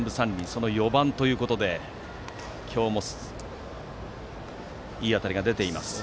その４番ということで今日もいい当たりが出ています。